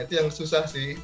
itu yang susah sih